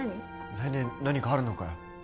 来年何かあるのかよ？